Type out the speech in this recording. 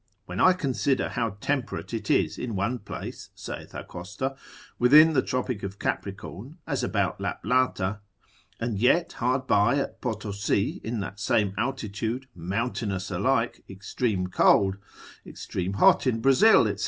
When I consider how temperate it is in one place, saith Acosta, within the tropic of Capricorn, as about Laplata, and yet hard by at Potosi, in that same altitude, mountainous alike, extreme cold; extreme hot in Brazil, &c.